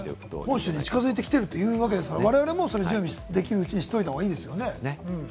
本州に近づいてきているわけですから、我々もできるうちに準備をしておいた方がいいですね。